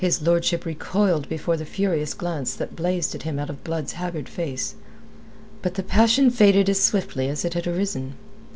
His lordship recoiled before the furious glance that blazed at him out of Blood's haggard face. But the passion faded as swiftly as it had arisen.